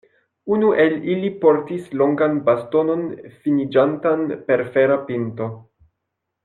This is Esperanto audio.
Unu el ili portis longan bastonon finiĝantan per fera pinto.